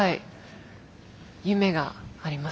夢がありますね。